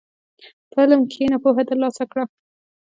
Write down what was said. په علم کښېنه، پوهه ترلاسه کړه.